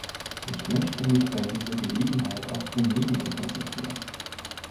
Ich möchte mich bei dieser Gelegenheit auf Rumänien konzentrieren.